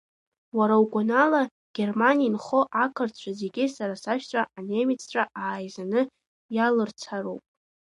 Уара угәанала Германиа инхо ақырҭцәа зегьы сара сашьцәа анемеццәа ааизаны иалырцароуп…